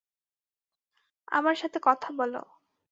আমার সাথে কথা বল!